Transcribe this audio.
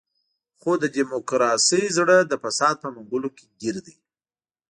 خو د ډیموکراسۍ زړه د فساد په منګولو کې ګیر دی.